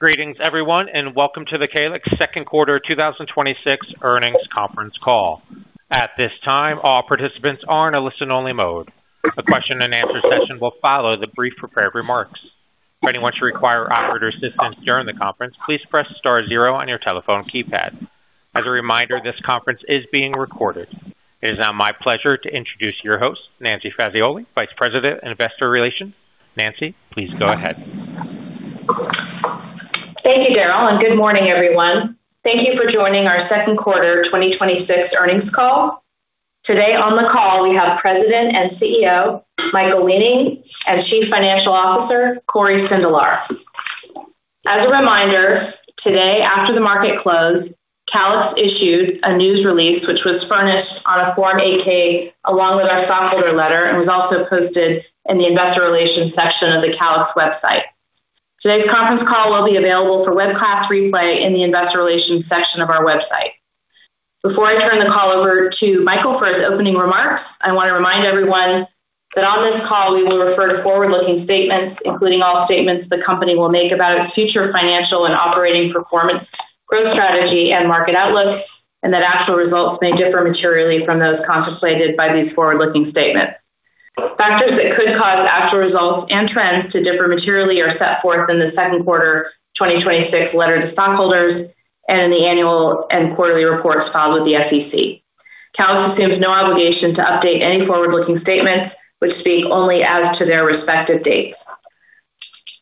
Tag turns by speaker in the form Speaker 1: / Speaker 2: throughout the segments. Speaker 1: Greetings everyone, welcome to the Calix Q2 2026 earnings conference call. At this time, all participants are in a listen only mode. A question and answer session will follow the brief prepared remarks. If anyone should require operator assistance during the conference, please press star zero on your telephone keypad. As a reminder, this conference is being recorded. It is now my pleasure to introduce your host, Nancy Fazioli, Vice President and Investor Relations. Nancy, please go ahead.
Speaker 2: Thank you, Darryl, good morning everyone. Thank you for joining our Q2 2026 earnings call. Today on the call, we have President and Chief Executive Officer, Michael Weening, and Chief Financial Officer, Cory Sindelar. As a reminder, today after the market closed, Calix issued a news release which was furnished on a Form 8-K along with our stockholder letter, was also posted in the investor relations section of the Calix website. Today's conference call will be available for webcast replay in the investor relations section of our website. Before I turn the call over to Michael for his opening remarks, I want to remind everyone that on this call we will refer to forward-looking statements, including all statements the company will make about its future financial and operating performance, growth strategy, and market outlook, actual results may differ materially from those contemplated by these forward-looking statements. Factors that could cause actual results and trends to differ materially are set forth in the Q2 2026 letter to stockholders and in the annual and quarterly reports filed with the SEC. Calix assumes no obligation to update any forward-looking statements which speak only as to their respective dates.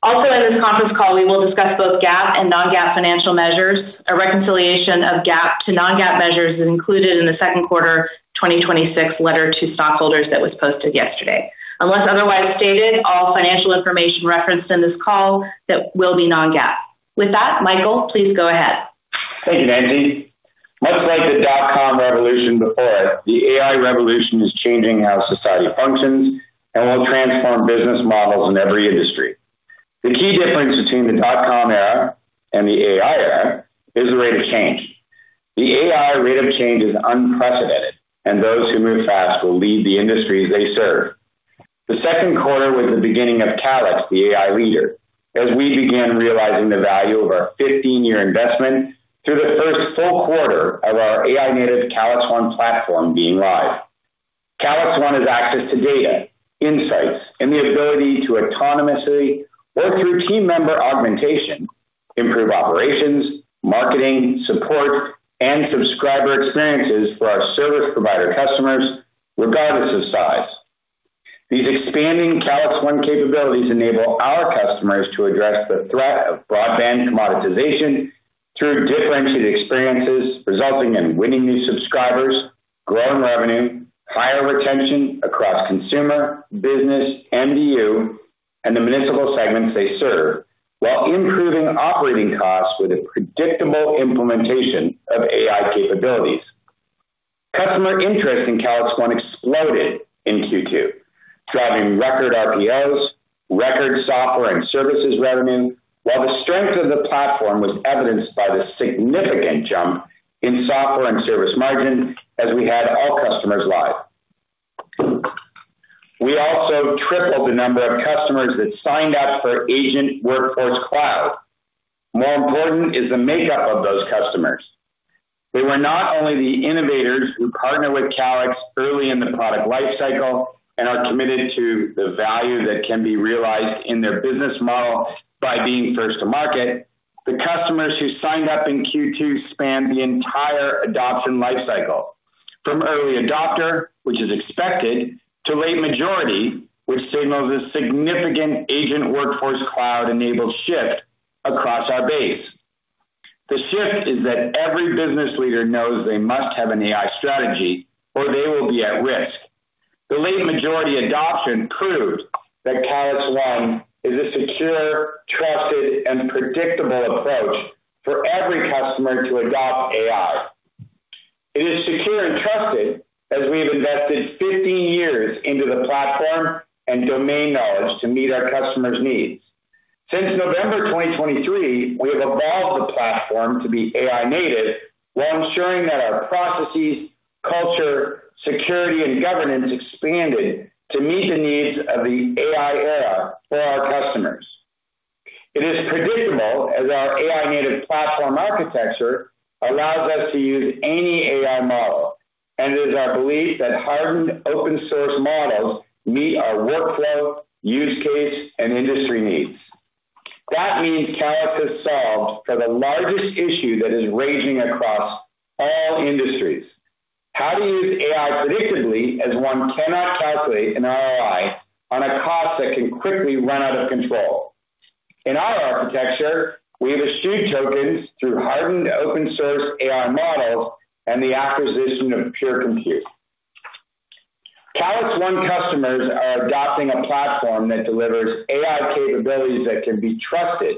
Speaker 2: Also in this conference call, we will discuss both GAAP and non-GAAP financial measures. A reconciliation of GAAP to non-GAAP measures is included in the Q2 2026 letter to stockholders that was posted yesterday. Unless otherwise stated, all financial information referenced in this call will be non-GAAP. With that, Michael, please go ahead.
Speaker 3: Thank you, Nancy. Much like the dot com revolution before it, the AI revolution is changing how society functions and will transform business models in every industry. The key difference between the dot com era and the AI era is the rate of change. The AI rate of change is unprecedented, those who move fast will lead the industries they serve. The Q2 was the beginning of Calix, the AI leader, as we began realizing the value of our 15-year investment through the first full quarter of our AI native Calix One platform being live. Calix One has access to data, insights, and the ability to autonomously or through team member augmentation, improve operations, marketing, support, and subscriber experiences for our service provider customers regardless of size. These expanding Calix One capabilities enable our customers to address the threat of broadband commoditization through differentiated experiences, resulting in winning new subscribers, growing revenue, higher retention across consumer, business, MDU, and the municipal segments they serve, while improving operating costs with a predictable implementation of AI capabilities. Customer interest in Calix One exploded in Q2, driving record RPOs, record software and services revenue. While the strength of the platform was evidenced by the significant jump in software and service margin as we had all customers live. We also tripled the number of customers that signed up for Calix Agent Workforce Cloud. More important is the makeup of those customers. They were not only the innovators who partner with Calix early in the product life cycle and are committed to the value that can be realized in their business model by being first to market. The customers who signed up in Q2 span the entire adoption life cycle from early adopter, which is expected, to late majority, which signals a significant Calix Agent Workforce Cloud-enabled shift across our base. The shift is that every business leader knows they must have an AI strategy or they will be at risk. The late majority adoption proves that Calix One is a secure, trusted, and predictable approach for every customer to adopt AI. It is secure and trusted as we have invested 15 years into the platform and domain knowledge to meet our customers' needs. Since November 2023, we have evolved the platform to be AI native while ensuring that our processes, culture, security, and governance expanded to meet the needs of the AI era for our customers. It is predictable as our AI native platform architecture allows us to use any AI model, and it is our belief that hardened open source models meet our workflow, use case, and industry needs. That means Calix has solved for the largest issue that is raging across all industries. How to use AI predictably as one cannot calculate an ROI on a cost that can quickly run out of control. In our architecture, we have issued tokens through hardened open source AI models and the acquisition of pure compute. Calix One customers are adopting a platform that delivers AI capabilities that can be trusted,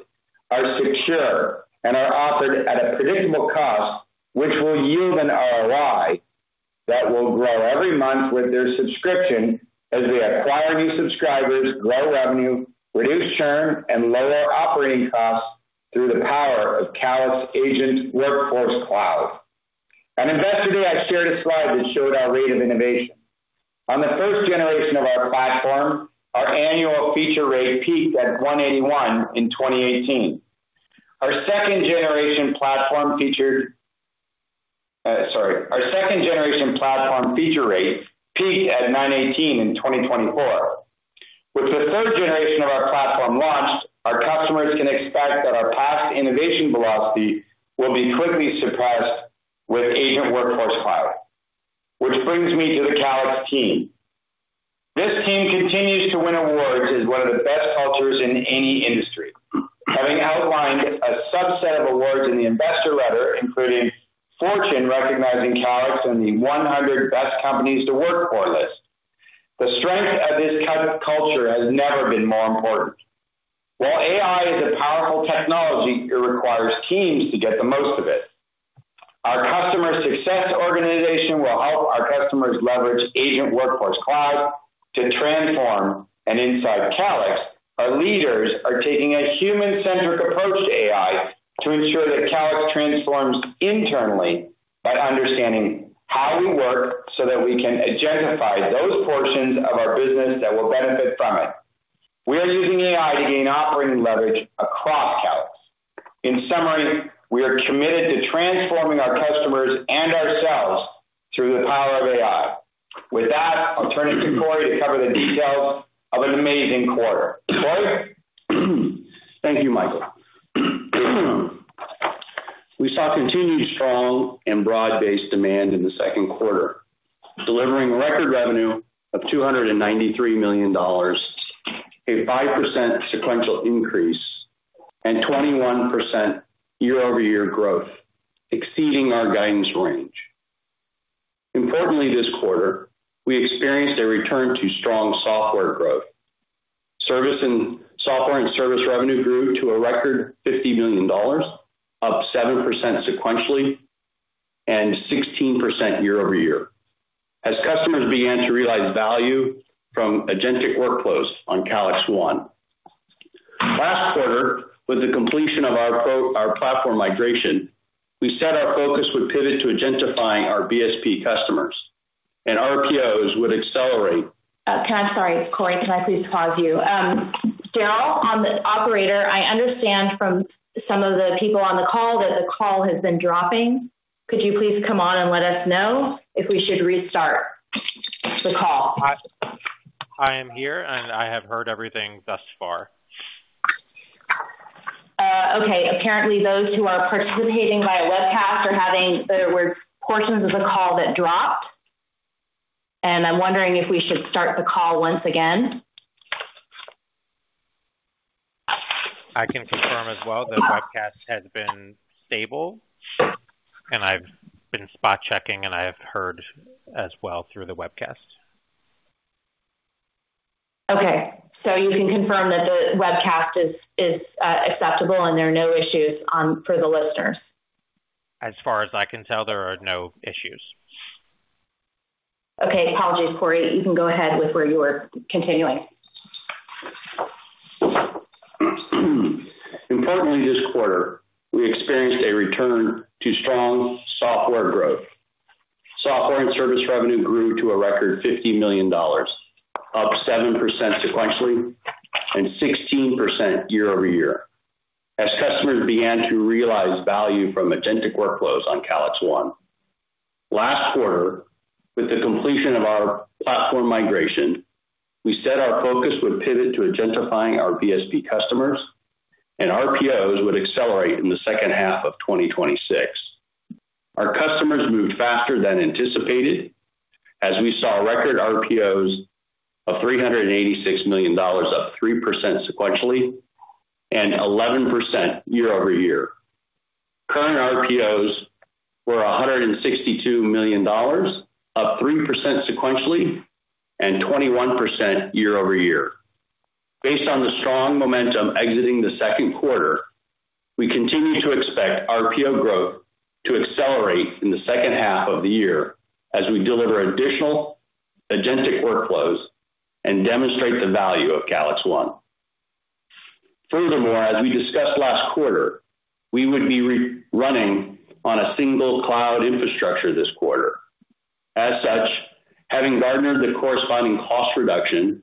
Speaker 3: are secure, and are offered at a predictable cost, which will yield an ROI that will grow every month with their subscription as we acquire new subscribers, grow revenue, reduce churn, and lower operating costs through the power of Calix Agent Workforce Cloud. At Investor Day, I shared a slide that showed Our annual feature rate peaked at 181 in 2018. Our second-generation platform feature rate peaked at 918 in 2024. With the third generation of our platform launched, our customers can expect that our past innovation velocity will be quickly surpassed with Calix Agent Workforce Cloud. Which brings me to the Calix team. This team continues to win awards as one of the best cultures in any industry. Having outlined a subset of awards in the investor letter, including Fortune recognizing Calix in the 100 Best Companies to Work For list. The strength of this type of culture has never been more important. While AI is a powerful technology, it requires teams to get the most of it. Our customer success organization will help our customers leverage Agent Workforce Cloud to transform, and inside Calix, our leaders are taking a human-centric approach to AI to ensure that Calix transforms internally by understanding how we work so that we can agentify those portions of our business that will benefit from it. We are using AI to gain operating leverage across Calix. In summary, we are committed to transforming our customers and ourselves through the power of AI. With that, I'll turn it to Cory to cover the details of an amazing quarter. Cory?
Speaker 4: Thank you, Michael. We saw continued strong and broad-based demand in the Q2, delivering record revenue of $293 million, a 5% sequential increase, and 21% year-over-year growth exceeding our guidance range. Importantly, this quarter, we experienced a return to strong software growth. Software and service revenue grew to a record $50 million, up 7% sequentially and 16% year-over-year. As customers began to realize value from agentic workflows on Calix One. Last quarter, with the completion of our platform migration, we said our focus would pivot to agentifying our BSP customers and RPOs would accelerate-
Speaker 2: Sorry, Cory, can I please pause you? Darryl, Operator, I understand from some of the people on the call that the call has been dropping. Could you please come on and let us know if we should restart the call?
Speaker 1: I am here, and I have heard everything thus far.
Speaker 2: Okay. Apparently, those who are participating via webcast, there were portions of the call that dropped, and I'm wondering if we should start the call once again.
Speaker 1: I can confirm as well the webcast has been stable, and I've been spot-checking, and I have heard as well through the webcast.
Speaker 2: Okay. You can confirm that the webcast is acceptable and there are no issues for the listeners?
Speaker 1: As far as I can tell, there are no issues.
Speaker 2: Okay. Apologies, Cory. You can go ahead with where you were continuing.
Speaker 4: This quarter, we experienced a return to strong software growth. Software and service revenue grew to a record $50 million, up 7% sequentially and 16% year-over-year. As customers began to realize value from agentic workflows on Calix One. Last quarter, with the completion of our platform migration, we said our focus would pivot to agentifying our BSP customers and RPOs would accelerate in the second half of 2026. Our customers moved faster than anticipated as we saw record RPOs of $386 million, up 3% sequentially and 11% year-over-year. Current RPOs were $162 million, up 3% sequentially and 21% year-over-year. Based on the strong momentum exiting the Q2, we continue to expect RPO growth to accelerate in the second half of the year as we deliver additional agentic workflows and demonstrate the value of Calix One. As we discussed last quarter, we would be running on a single cloud infrastructure this quarter. As such, having garnered the corresponding cost reduction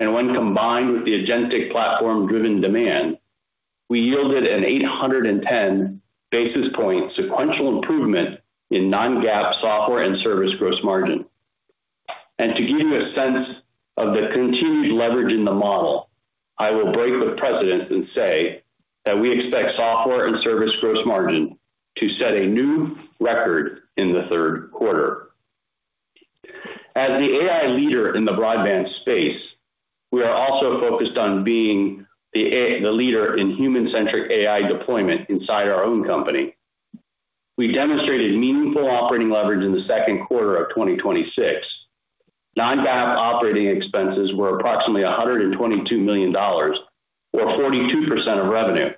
Speaker 4: and when combined with the agentic platform-driven demand, we yielded an 810 basis point sequential improvement in non-GAAP software and service gross margin. To give you a sense of the continued leverage in the model, I will break with precedents and say that we expect software and service gross margin to set a new record in the Q3. As the AI leader in the broadband space, we are also focused on being the leader in human-centric AI deployment inside our own company. We demonstrated meaningful operating leverage in the Q2 of 2026. Non-GAAP operating expenses were approximately $122 million or 42% of revenue,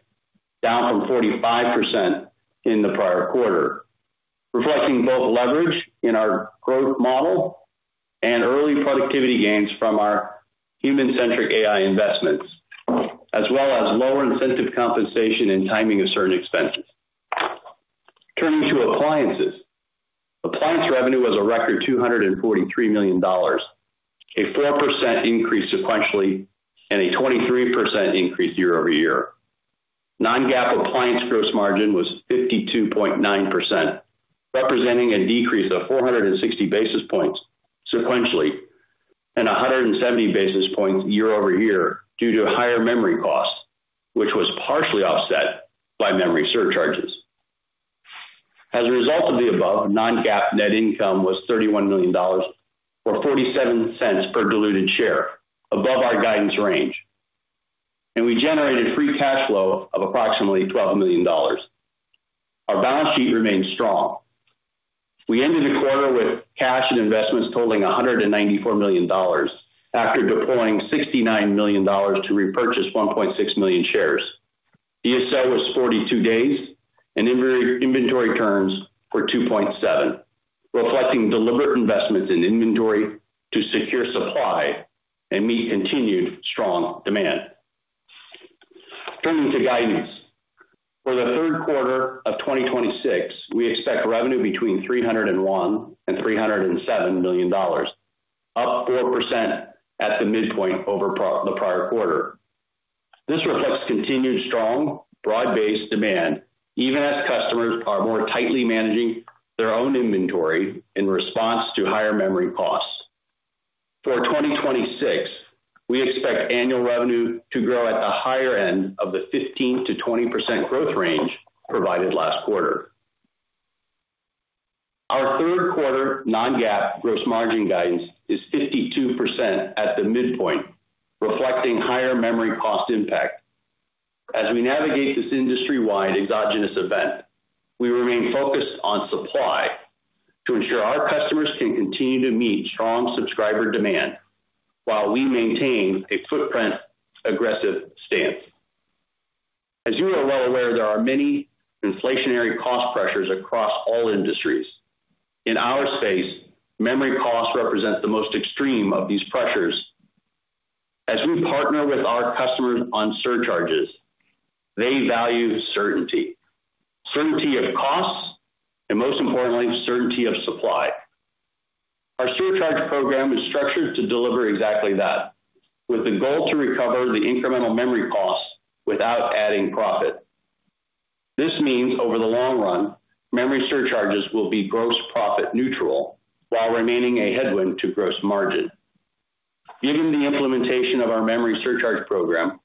Speaker 4: down from 45% in the prior quarter, reflecting both leverage in our growth model and early productivity gains from our human-centric AI investments, as well as lower incentive compensation and timing of certain expenses. Turning to appliances. Appliance revenue was a record $243 million, a 4% increase sequentially and a 23% increase year-over-year. Non-GAAP appliance gross margin was 52.9%, representing a decrease of 460 basis points sequentially and 170 basis points year-over-year due to higher memory costs, which was partially offset by memory surcharges. As a result of the above, non-GAAP net income was $31 million, or $0.47 per diluted share, above our guidance range. We generated free cash flow of approximately $12 million. Our balance sheet remains strong. We ended the quarter with cash and investments totaling $194 million after deploying $69 million to repurchase 1.6 million shares. DSO was 42 days and inventory turns were 2.7, reflecting deliberate investments in inventory to secure supply and meet continued strong demand. Turning to guidance. For the Q3 of 2026, we expect revenue between $301 million and $307 million, up 4% at the midpoint over the prior quarter. This reflects continued strong broad-based demand, even as customers are more tightly managing their own inventory in response to higher memory costs. For 2026, we expect annual revenue to grow at the higher end of the 15%-20% growth range provided last quarter. Our Q3 non-GAAP gross margin guidance is 52% at the midpoint, reflecting higher memory cost impact. As we navigate this industry-wide exogenous event, we remain focused on supply to ensure our customers can continue to meet strong subscriber demand while we maintain a footprint-aggressive stance. As you are well aware, there are many inflationary cost pressures across all industries. In our space, memory cost represents the most extreme of these pressures. As we partner with our customers on surcharges, they value certainty. Certainty of costs, and most importantly, certainty of supply. Our surcharge program is structured to deliver exactly that, with the goal to recover the incremental memory costs without adding profit. This means over the long run, memory surcharges will be gross profit neutral while remaining a headwind to gross margin. Given the implementation of our memory surcharge program,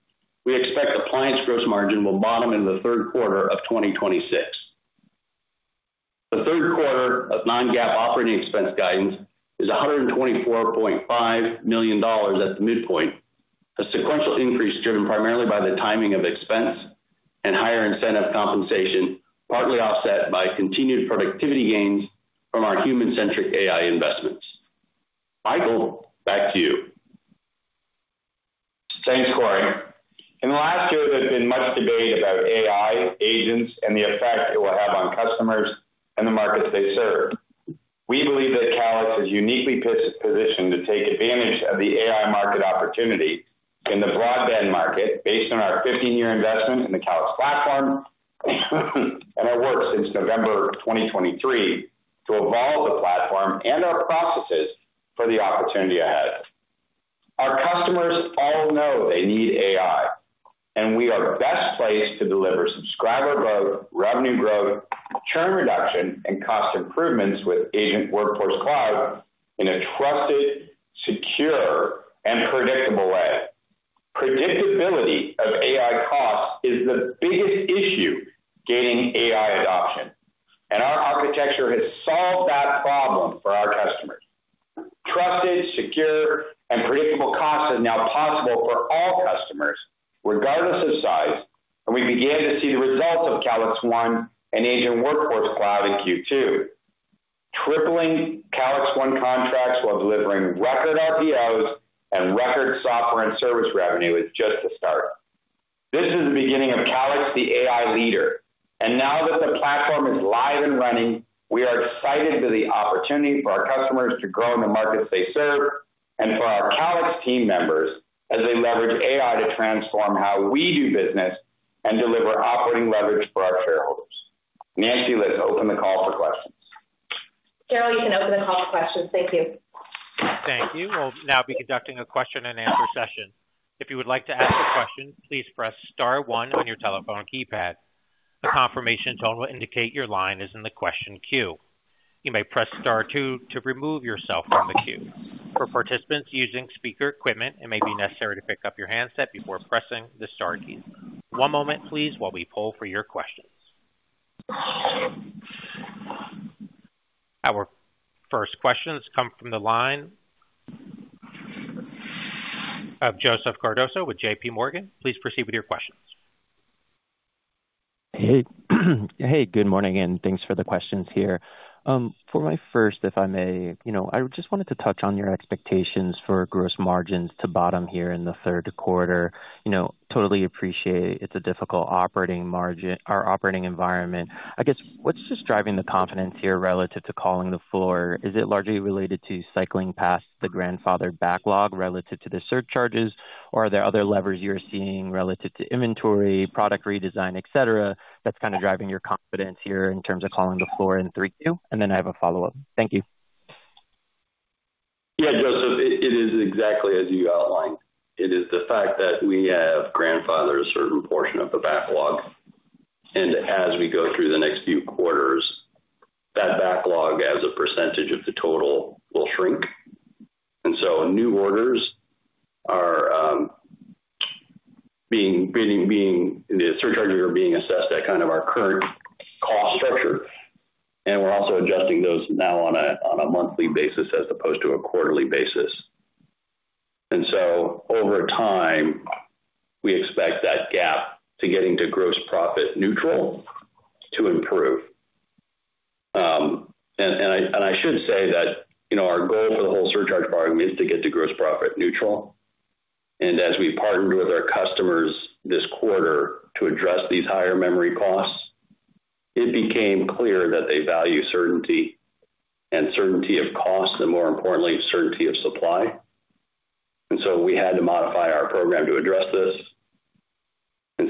Speaker 4: we expect appliance gross margin will bottom in the Q3 of 2026. The Q3 non-GAAP operating expense guidance is $124.5 million at the midpoint, a sequential increase driven primarily by the timing of expense and higher incentive compensation, partly offset by continued productivity gains from our human-centric AI investments. Michael, back to you.
Speaker 3: Thanks, Cory. In the last year, there's been much debate about AI, agents, and the effect it will have on customers and the markets they serve. We believe that Calix is uniquely positioned to take advantage of the AI market opportunity in the broadband market based on our 15-year investment in the Calix platform and our work since November 2023 to evolve the platform and our processes for the opportunity ahead. Our customers all know they need AI, and we are best placed to deliver subscriber growth, revenue growth, churn reduction, and cost improvements with Agent Workforce Cloud in a trusted, secure, and predictable way. Predictability of AI costs is the biggest issue gaining AI adoption, and our architecture has solved that problem for our customers. Trusted, secure, and predictable costs are now possible for all customers, regardless of size, and we began to see the results of Calix One and Agent Workforce Cloud in Q2. Tripling Calix One contracts while delivering record RPOs and record software and service revenue is just the start. This is the beginning of Calix, the AI leader. Now that the platform is live and running, we are excited for the opportunity for our customers to grow in the markets they serve and for our Calix team members as they leverage AI to transform how we do business and deliver operating leverage for our shareholders. Nancy, let's open the call for questions.
Speaker 2: Darryl, you can open the call for questions. Thank you.
Speaker 1: Thank you. We'll now be conducting a question and answer session. If you would like to ask a question, please press star one on your telephone keypad. A confirmation tone will indicate your line is in the question queue. You may press star two to remove yourself from the queue. For participants using speaker equipment, it may be necessary to pick up your handset before pressing the star key. One moment, please, while we poll for your questions. Our first question has come from the line of Joseph Cardoso with JPMorgan. Please proceed with your questions.
Speaker 5: Hey, good morning. Thanks for the questions here. For my first, if I may, I just wanted to touch on your expectations for gross margins to bottom here in the Q3. Totally appreciate it's a difficult operating environment. I guess, what's just driving the confidence here relative to calling the floor? Is it largely related to cycling past the grandfathered backlog relative to the surcharges, or are there other levers you're seeing relative to inventory, product redesign, et cetera, that's kind of driving your confidence here in terms of calling the floor in 3Q? Then I have a follow-up. Thank you.
Speaker 4: Yeah, Joseph, it is exactly as you outlined. It is the fact that we have grandfathered a certain portion of the backlog. As we go through the next few quarters, that backlog as a percentage of the total will shrink. New orders are being, the surcharges are being assessed at kind of our current cost structure. We're also adjusting those now on a monthly basis as opposed to a quarterly basis. Over time, we expect that gap to getting to gross profit neutral to improve. I should say that our goal for the whole surcharge program is to get to gross profit neutral. As we partnered with our customers this quarter to address these higher memory costs, it became clear that they value certainty and certainty of cost and more importantly, certainty of supply. We had to modify our program to address this.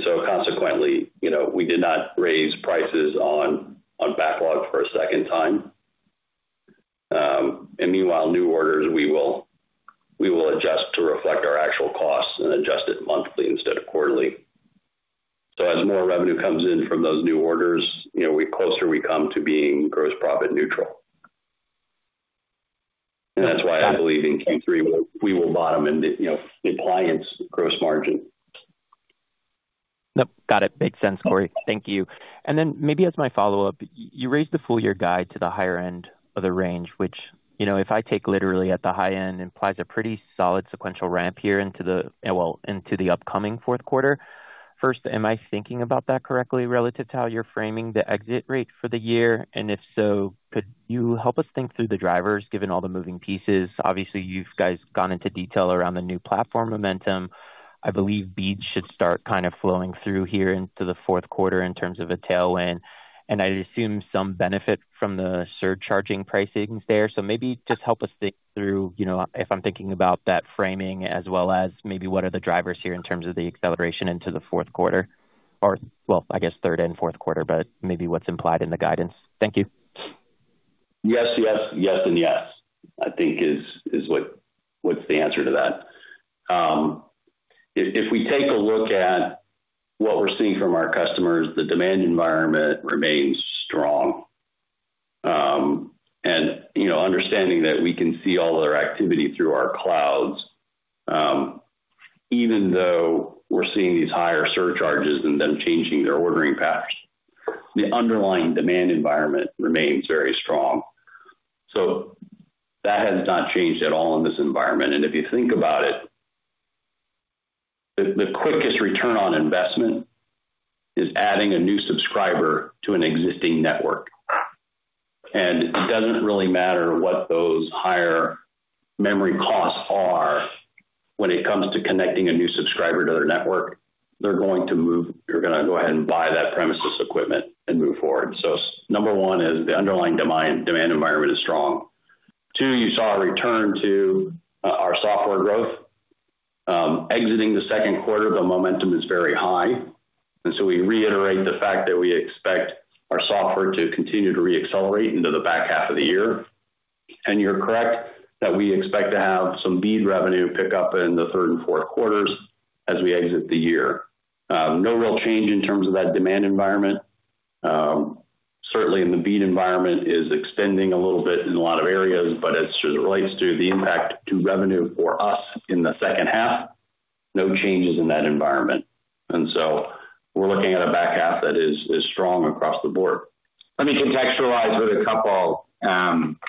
Speaker 4: Consequently, we did not raise prices on backlog for a second time. Meanwhile, new orders, we will adjust to reflect our actual costs and adjust it monthly instead of quarterly. As more revenue comes in from those new orders, the closer we come to being gross profit neutral. That's why I believe in Q3, we will bottom in the appliance gross margin.
Speaker 5: Nope, got it. Makes sense, Cory. Thank you. Maybe as my follow-up, you raised the full year guide to the higher end of the range, which, if I take literally at the high end, implies a pretty solid sequential ramp here into the upcoming Q4. First, am I thinking about that correctly relative to how you're framing the exit rate for the year? If so, could you help us think through the drivers, given all the moving pieces? Obviously, you guys have gone into detail around the new platform momentum. I believe BEAD should start kind of flowing through here into the Q4 in terms of a tailwind, and I'd assume some benefit from the surcharging pricings there. Maybe just help us think through, if I'm thinking about that framing, as well as maybe what are the drivers here in terms of the acceleration into the Q4, or, well, I guess third and Q4, but maybe what's implied in the guidance. Thank you.
Speaker 3: Yes, yes, and yes, I think is what's the answer to that. If we take a look at what we're seeing from our customers, the demand environment remains strong. Understanding that we can see all their activity through our clouds, even though we're seeing these higher surcharges and them changing their ordering patterns, the underlying demand environment remains very strong. That has not changed at all in this environment. If you think about it, the quickest return on investment is adding a new subscriber to an existing network. It doesn't really matter what those higher memory costs are when it comes to connecting a new subscriber to their network. They're going to move. They're going to go ahead and buy that premises equipment and move forward. Number one is the underlying demand environment is strong. Two, you saw a return to our software growth. Exiting the Q2, the momentum is very high. We reiterate the fact that we expect our software to continue to re-accelerate into the back half of the year. You are correct that we expect to have some BEAD revenue pick up in the Q3 and Q4 as we exit the year. No real change in terms of that demand environment. Certainly, the BEAD environment is extending a little bit in a lot of areas, as it relates to the impact to revenue for us in the second half, no changes in that environment. We are looking at a back half that is strong across the board. Let me contextualize with a couple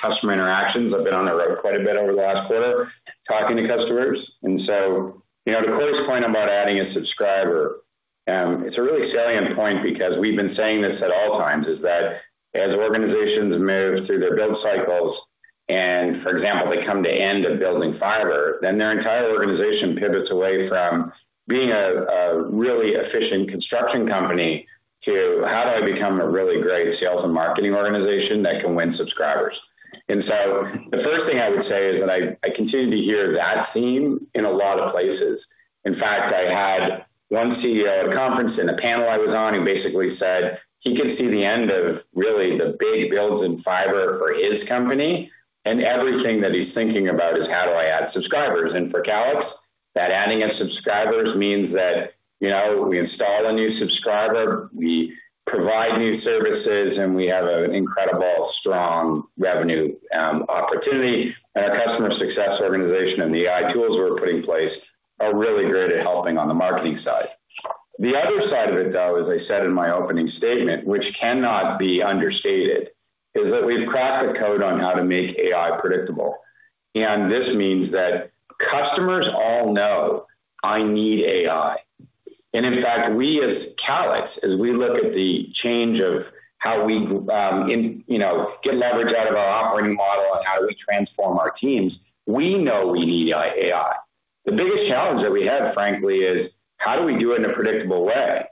Speaker 3: customer interactions. I've been on the road quite a bit over the last quarter talking to customers. To Cory's point about adding a subscriber, it's a really salient point because we have been saying this at all times, is that as organizations move through their build cycles and, for example, They come to end of building fiber, then their entire organization pivots away from being a really efficient construction company to how do I become a really great sales and marketing organization that can win subscribers. The first thing I would say is that I continue to hear that theme in a lot of places. In fact, I had one CEO conference and a panel I was on who basically said he could see the end of really the big builds in fiber for his company, and everything that he's thinking about is how do I add subscribers. For Calix, that adding of subscribers means that we install a new subscriber, we provide new services, and we have an incredible strong revenue opportunity. Our customer success organization and the AI tools we are putting in place are really great at helping on the marketing side. The other side of it, though, as I said in my opening statement, which cannot be understated, is that we have cracked the code on how to make AI predictable. This means that customers all know I need AI. In fact, we as Calix, as we look at the change of how we get leverage out of our operating model and how we transform our teams, we know we need AI. The biggest challenge that we have, frankly, is how do we do it in a predictable way.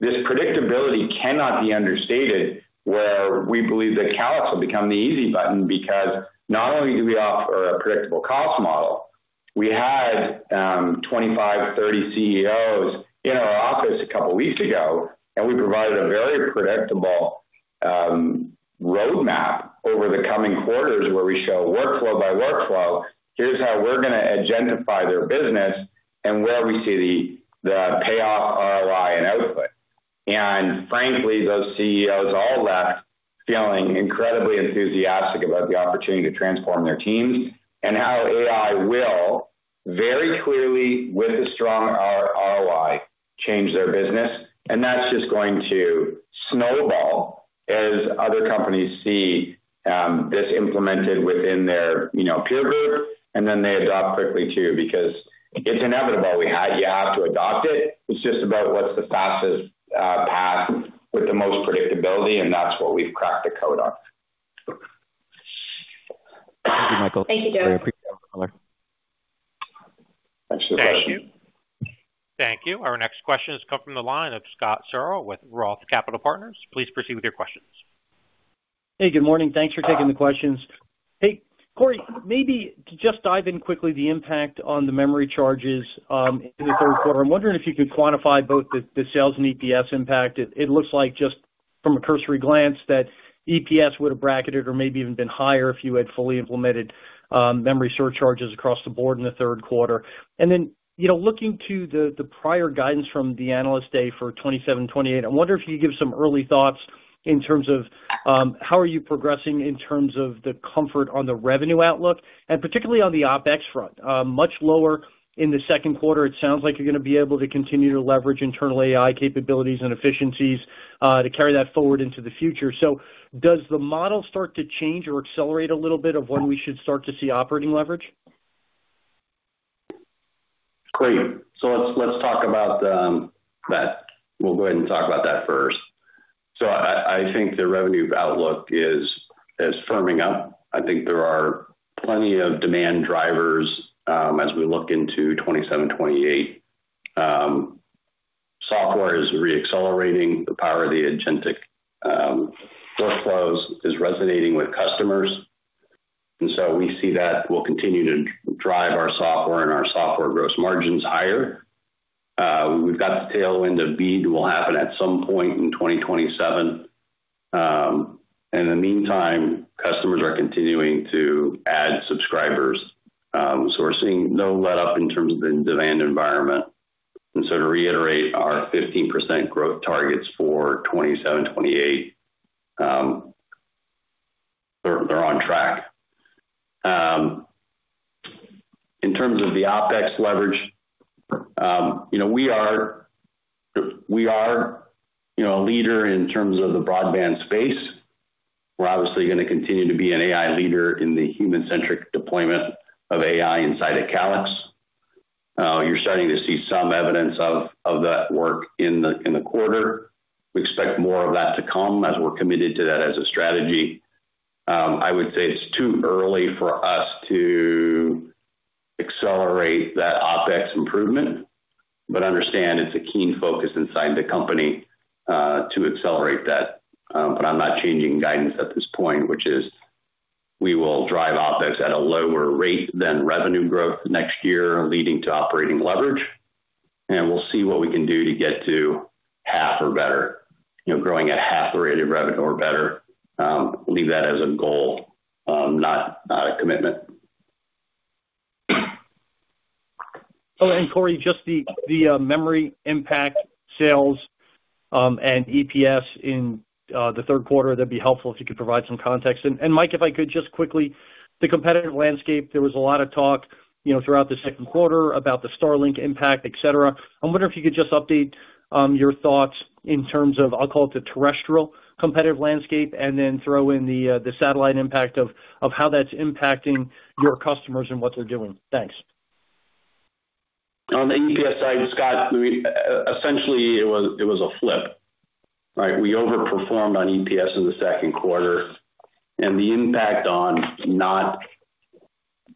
Speaker 3: This predictability cannot be understated, where we believe that Calix will become the easy button because not only do we offer a predictable cost model We had 25, 30 CEOs in our office a couple weeks ago, we provided a very predictable roadmap over the coming quarters where we show workflow by workflow, here's how we're going to agendify their business and where we see the payoff ROI and output. Frankly, those CEOs all left feeling incredibly enthusiastic about the opportunity to transform their teams and how AI will very clearly, with a strong ROI, change their business. That's just going to snowball as other companies see this implemented within their peer group, then they adopt quickly too, because it's inevitable. You have to adopt it. It's just about what's the fastest path with the most predictability, and that's what we've cracked the code on.
Speaker 2: Thank you, Michael.
Speaker 3: Thank you.
Speaker 5: Very appreciate that color.
Speaker 3: Thanks.
Speaker 2: Thank you.
Speaker 1: Thank you. Our next question has come from the line of Scott Searle with Roth Capital Partners. Please proceed with your questions.
Speaker 6: Hey, good morning. Thanks for taking the questions. Hey, Cory, maybe to just dive in quickly, the impact on the memory charges, in the Q3. I'm wondering if you could quantify both the sales and EPS impact. It looks like just from a cursory glance that EPS would have bracketed or maybe even been higher if you had fully implemented memory surcharges across the board in the Q3. And then looking to the prior guidance from the Analyst Day for 2027, 2028, I wonder if you could give some early thoughts in terms of, how are you progressing in terms of the comfort on the revenue outlook and particularly on the OpEx front? Much lower in the Q2. It sounds like you're going to be able to continue to leverage internal AI capabilities and efficiencies to carry that forward into the future. Does the model start to change or accelerate a little bit of when we should start to see operating leverage?
Speaker 4: Let's talk about that. We'll go ahead and talk about that first. I think the revenue outlook is firming up. I think there are plenty of demand drivers as we look into 2027, 2028. Software is re-accelerating. The power of the agentic workflows is resonating with customers, we see that will continue to drive our software and our software gross margins higher. We've got the tailwind of BEAD will happen at some point in 2027. In the meantime, customers are continuing to add subscribers. We're seeing no letup in terms of the demand environment. To reiterate our 15% growth targets for 2027, 2028, they're on track. In terms of the OpEx leverage, we are a leader in terms of the broadband space. We're obviously going to continue to be an AI leader in the human-centric deployment of AI inside of Calix. You're starting to see some evidence of that work in the quarter. We expect more of that to come as we're committed to that as a strategy. I would say it's too early for us to accelerate that OpEx improvement, understand it's a keen focus inside the company to accelerate that. I'm not changing guidance at this point, which is we will drive OpEx at a lower rate than revenue growth next year, leading to operating leverage, we'll see what we can do to get to half or better, growing at half the rate of revenue or better. Leave that as a goal, not a commitment.
Speaker 6: Cory, just the memory impact sales, and EPS in the Q3. That'd be helpful if you could provide some context. Michael, if I could just quickly, the competitive landscape, there was a lot of talk throughout the Q2 about the Starlink impact, et cetera. I wonder if you could just update your thoughts in terms of, I'll call it the terrestrial competitive landscape, then throw in the satellite impact of how that's impacting your customers and what they're doing. Thanks.
Speaker 3: On the EPS side, Scott, essentially it was a flip, right? We overperformed on EPS in the Q2, the impact on not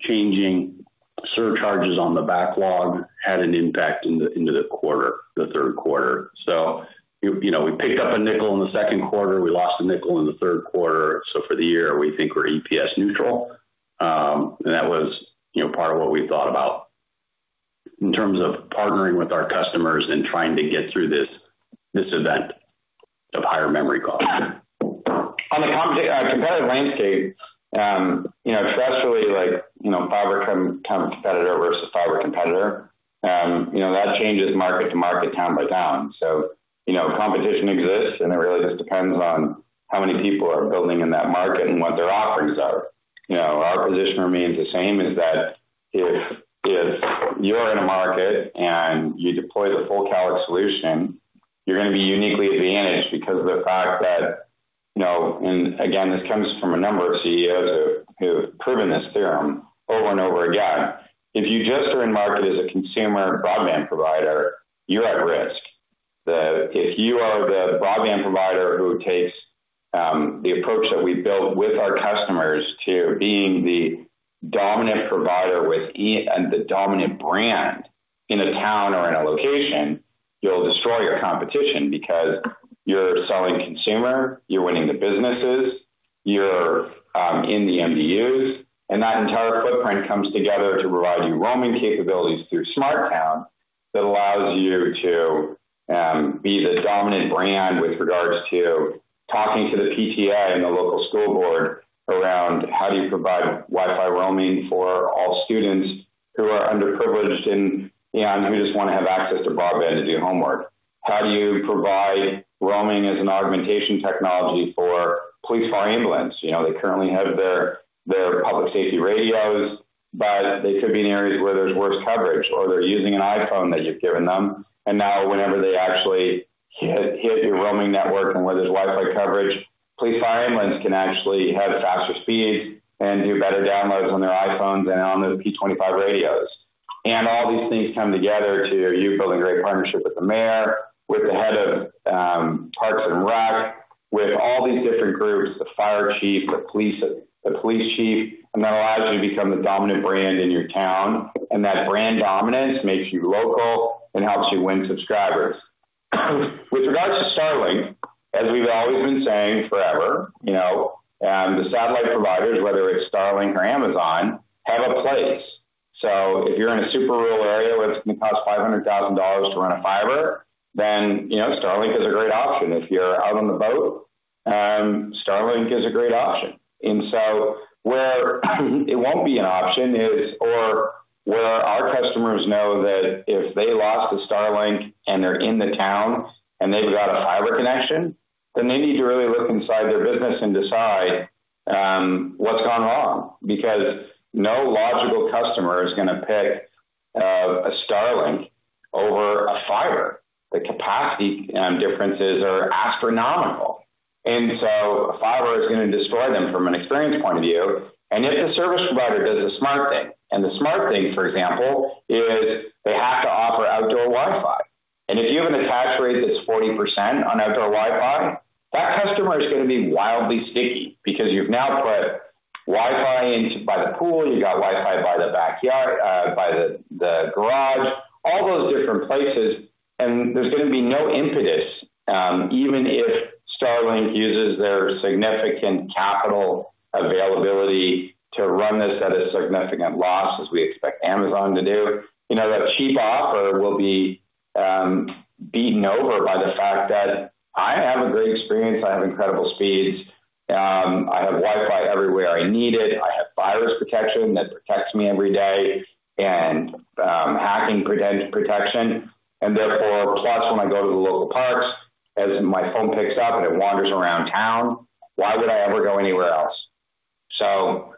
Speaker 3: changing surcharges on the backlog had an impact into the quarter, the Q3. We picked up a nickel in the Q2. We lost a nickel in the Q3. For the year, we think we're EPS neutral. That was part of what we thought about in terms of partnering with our customers and trying to get through this event of higher memory costs. On the competitive landscape, especially like fiber competitor versus fiber competitor, that changes market to market, town by town. Competition exists, and it really just depends on how many people are building in that market and what their offerings are. Our position remains the same, is that if you're in a market and you deploy the full Calix solution, you're going to be uniquely advantaged because of the fact that, again, this comes from a number of CEOs who have proven this theorem over and over again. If you just are in market as a consumer broadband provider, you're at risk. If you are the broadband provider who takes the approach that we've built with our customers to being the dominant provider and the dominant brand in a town or in a location, you'll destroy your competition because you're selling consumer, you're winning the businesses- You're in the MDUs, that entire footprint comes together to provide you roaming capabilities through SmartTown that allows you to be the dominant brand with regards to talking to the PTA and the local school board around how do you provide Wi-Fi roaming for all students who are underprivileged and who just want to have access to broadband to do homework. How do you provide roaming as an augmentation technology for police, fire, ambulance? They currently have their public safety radios, but they could be in areas where there's worse coverage, or they're using an iPhone that you've given them. Now whenever they actually hit your roaming network and where there's Wi-Fi coverage, police, fire, ambulance can actually have faster speed and do better downloads on their iPhones and on the P25 radios. All these things come together to you building a great partnership with the mayor, with the head of Parks and Rec, with all these different groups, the fire chief, the police chief, that allows you to become the dominant brand in your town. That brand dominance makes you local and helps you win subscribers. With regards to Starlink, as we've always been saying forever, the satellite providers, whether it's Starlink or Amazon, have a place. If you're in a super rural area where it's going to cost $500,000 to run a fiber, then Starlink is a great option. If you're out on the boat, Starlink is a great option. Where it won't be an option is or where our customers know that if they lost the Starlink and they're in the town and they've got a fiber connection, then they need to really look inside their business and decide what's gone wrong. Because no logical customer is going to pick a Starlink over a fiber. The capacity differences are astronomical. Fiber is going to destroy them from an experience point of view. If the service provider does the smart thing, and the smart thing, for example, is they have to offer outdoor Wi-Fi. If you have an attach rate that's 40% on outdoor Wi-Fi, that customer is going to be wildly sticky because you've now put Wi-Fi by the pool, you got Wi-Fi by the backyard, by the garage, all those different places, and there's going to be no impetus, even if Starlink uses their significant capital availability to run this at a significant loss as we expect Amazon to do. That cheap offer will be beaten over by the fact that I have a great experience. I have incredible speeds. I have Wi-Fi everywhere I need it. I have virus protection that protects me every day and hacking protection. Therefore, plus, when I go to the local parks, as my phone picks up and it wanders around town, why would I ever go anywhere else? Satellite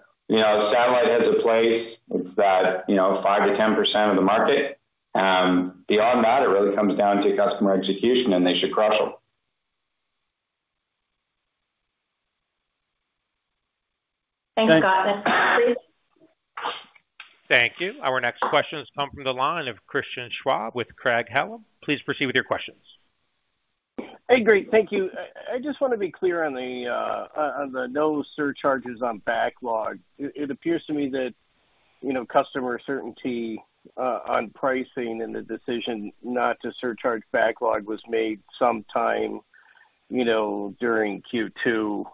Speaker 3: has a place. It's that 5%-10% of the market. Beyond that, it really comes down to customer execution, and they should crush them.
Speaker 2: Thanks, Scott.
Speaker 1: Thank you. Our next question comes from the line of Christian Schwab with Craig-Hallum. Please proceed with your questions.
Speaker 7: Hey, great. Thank you. I just want to be clear on the no surcharges on backlog. It appears to me that customer certainty on pricing and the decision not to surcharge backlog was made sometime during Q2,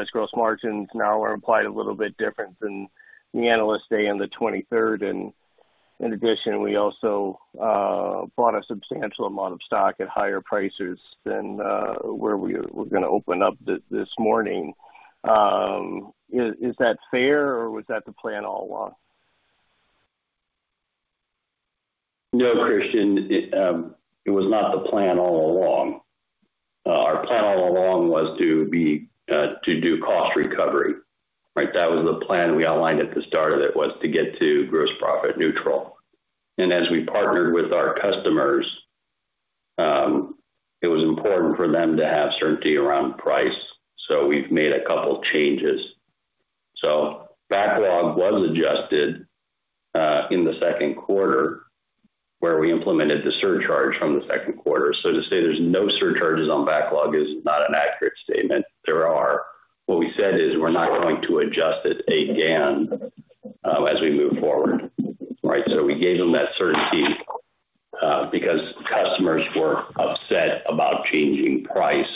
Speaker 7: as gross margins now are implied a little bit different than the Analyst Day on the 23rd. In addition, we also bought a substantial amount of stock at higher prices than where we're going to open up this morning. Is that fair, or was that the plan all along?
Speaker 4: No, Christian, it was not the plan all along. Our plan all along was to do cost recovery. That was the plan we outlined at the start of it was to get to gross profit neutral. As we partnered with our customers, it was important for them to have certainty around price. We've made a couple changes. Backlog was adjusted in the Q2, where we implemented the surcharge from the Q2. To say there's no surcharges on backlog is not an accurate statement. There are. What we said is we're not going to adjust it again as we move forward. We gave them that certainty because customers were upset about changing price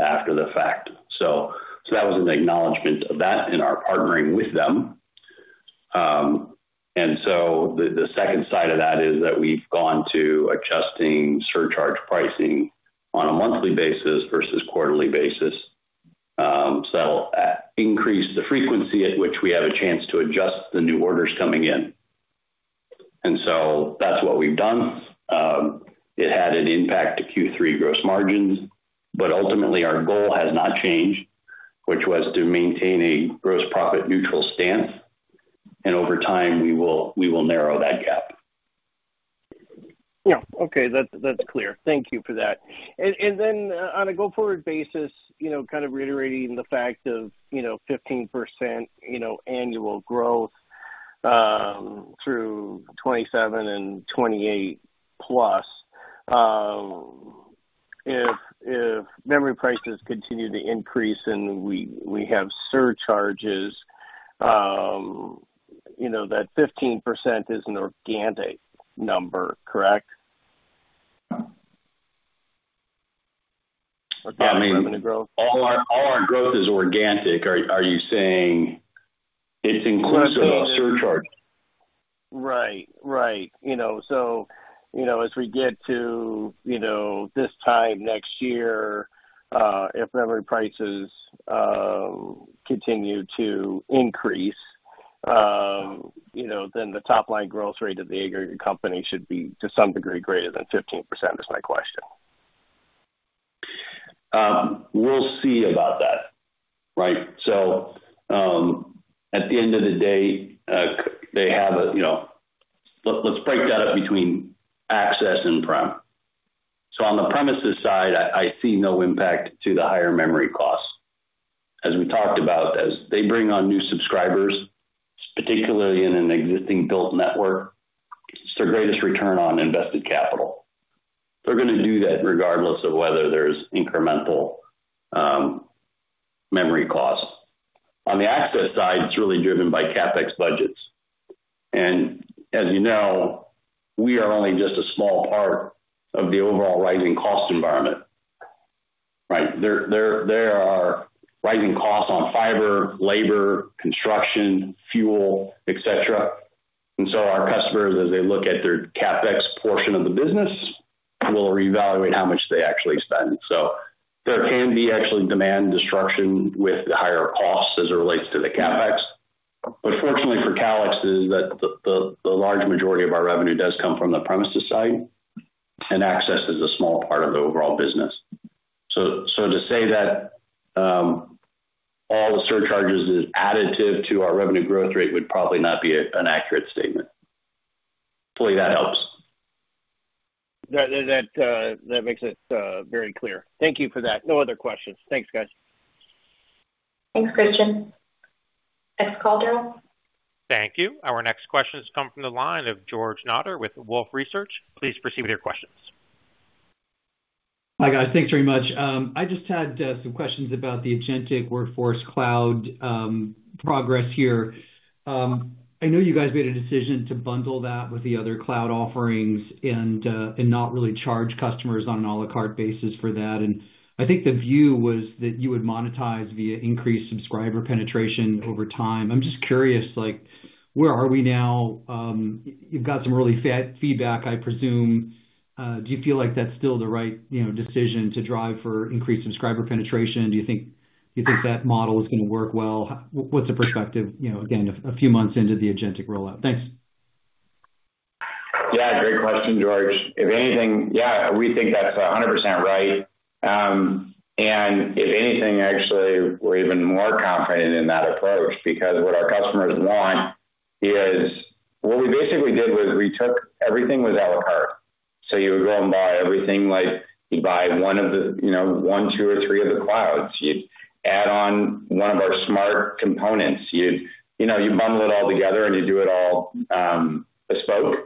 Speaker 4: after the fact. That was an acknowledgment of that in our partnering with them. The second side of that is that we've gone to adjusting surcharge pricing on a monthly basis versus quarterly basis. Increase the frequency at which we have a chance to adjust the new orders coming in. That's what we've done. It had an impact to Q3 gross margins, but ultimately our goal has not changed, which was to maintain a gross profit neutral stance. Over time, we will narrow that gap.
Speaker 7: Yeah. Okay. That's clear. Thank you for that. On a go-forward basis, kind of reiterating the fact of 15% annual growth through 2027 and 2028+. If memory prices continue to increase and we have surcharges, that 15% is an organic number, correct?
Speaker 4: Yeah. I mean, all our growth is organic. Are you saying it's inclusive of surcharges?
Speaker 7: Right. As we get to this time next year, if memory prices continue to increase, the top-line growth rate of the company should be to some degree greater than 15% is my question.
Speaker 3: We'll see about that, right? At the end of the day, let's break that up between access and prem. On the premises side, I see no impact to the higher memory costs. As we talked about, as they bring on new subscribers, particularly in an existing built network, it's their greatest return on invested capital. They're going to do that regardless of whether there's incremental memory costs. On the access side, it's really driven by CapEx budgets. As you know, we are only just a small part of the overall rising cost environment, right? There are rising costs on fiber, labor, construction, fuel, et cetera. Our customers, as they look at their CapEx portion of the business, will reevaluate how much they actually spend. There can be actually demand destruction with higher costs as it relates to the CapEx. Fortunately for Calix is that the large majority of our revenue does come from the premises side, and access is a small part of the overall business. To say that all the surcharges is additive to our revenue growth rate would probably not be an accurate statement. Hopefully that helps.
Speaker 7: That makes it very clear. Thank you for that. No other questions. Thanks, guys.
Speaker 2: Thanks, Christian. Next caller.
Speaker 1: Thank you. Our next question has come from the line of George Notter with Wolfe Research. Please proceed with your questions.
Speaker 8: Hi, guys. Thanks very much. I just had some questions about the Agent Workforce Cloud progress here. I know you guys made a decision to bundle that with the other cloud offerings and not really charge customers on an à la carte basis for that. I think the view was that you would monetize via increased subscriber penetration over time. I'm just curious, where are we now? You've got some early feedback, I presume. Do you feel like that's still the right decision to drive for increased subscriber penetration? Do you think that model is going to work well? What's the perspective, again, a few months into the Agent rollout? Thanks.
Speaker 3: Yeah, great question, George. If anything, we think that's 100% right. If anything, actually, we're even more confident in that approach because what our customers want is we basically did was we took everything was à la carte. You would go and buy everything, like you'd buy one, two, or three of the clouds. You'd add on one of our smart components. You'd bundle it all together, and you do it all bespoke,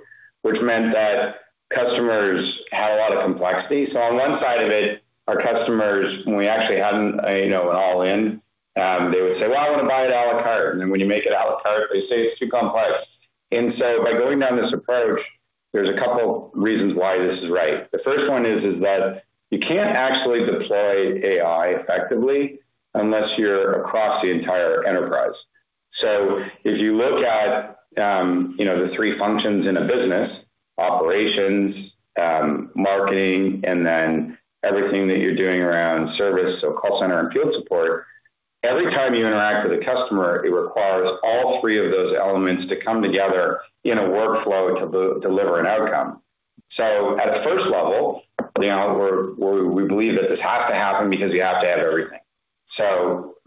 Speaker 3: which meant that customers had a lot of complexity. On one side of it, our customers, when we actually had an all-in, they would say, "Well, I want to buy it à la carte." Then when you make it à la carte, they say it's too complex. By going down this approach, there's a couple reasons why this is right. The first one is that you can't actually deploy AI effectively unless you're across the entire enterprise. If you look at the three functions in a business, operations, marketing, and then everything that you're doing around service, call center and field support, every time you interact with a customer, It requires all three of those elements to come together in a workflow to deliver an outcome. At the first level, we believe that this has to happen because you have to have everything.